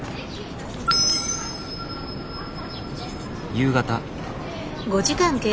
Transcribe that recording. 夕方。